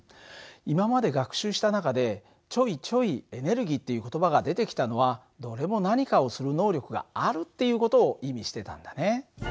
今まで学習した中でちょいちょいエネルギーっていう言葉が出てきたのはどれも何かをする能力があるっていう事を意味してたんだね。